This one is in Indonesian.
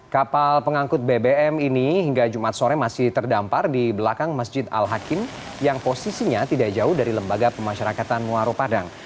kapal pengangkut bbm ini hingga jumat sore masih terdampar di belakang masjid al hakim yang posisinya tidak jauh dari lembaga pemasyarakatan muaro padang